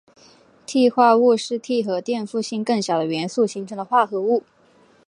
锑化物是锑和电负性更小的元素形成的化合物。